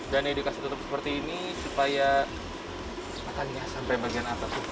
dan dikasih tutup seperti ini supaya patahnya sampai bagian atas tuh